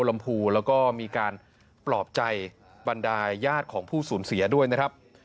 ลำพูแล้วก็มีการปลอบใจบรรดายญาติของผู้สูญเสียด้วยนะครับ